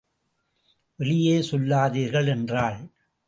வெளியே சொல்லாதீர்கள் என்றாள்.